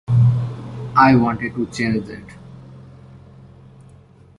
I wanted to change that.